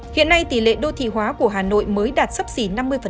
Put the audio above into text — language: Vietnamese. hiện nay tỷ lệ đô thị hóa của hà nội mới đạt sấp xỉ năm mươi